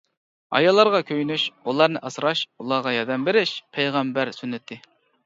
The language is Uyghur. ئاياللارغا كۆيۈنۈش، ئۇلارنى ئاسراش، ئۇلارغا ياردەم بېرىش پەيغەمبەر سۈننىتى.